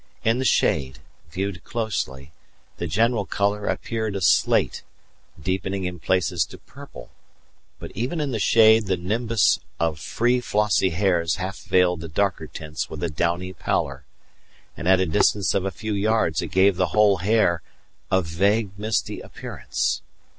In the shade, viewed closely, the general colour appeared a slate, deepening in places to purple; but even in the shade the nimbus of free flossy hairs half veiled the darker tints with a downy pallor; and at a distance of a few yards it gave the whole hair a vague, misty appearance.